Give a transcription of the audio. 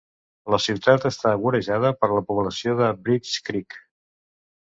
La ciutat està vorejada per la població de Bridge Creek.